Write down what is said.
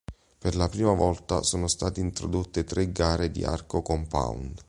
Per la prima volta sono state introdotte tre gare di arco compound.